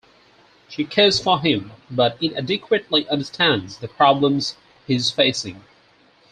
She cares for him, but inadequately understands the problems he's facing.